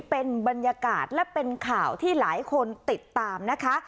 เป็นบรรยากาศและเป็นข่าวที่หลายคนติดตามนะคะ